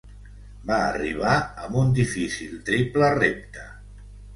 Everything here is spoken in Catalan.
Va arribar amb un difícil triple repte.